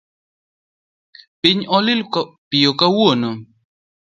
Piny olil piyo kawuono